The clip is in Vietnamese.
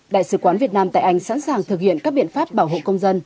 đại sứ quán việt nam tại anh sẵn sàng thực hiện các biện pháp bảo hộ công dân